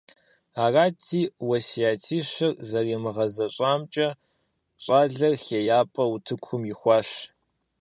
Арати уэсятищыр зэримыгъэзэщӀамкӏэ щӀалэр ХеяпӀэ утыкӀум ихуащ.